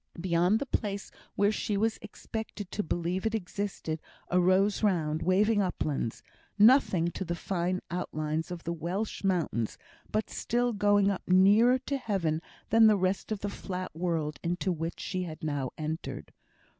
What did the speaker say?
Beyond the place where she was expected to believe it existed, arose round, waving uplands; nothing to the fine outlines of the Welsh mountains, but still going up nearer to heaven than the rest of the flat world into which she had now entered.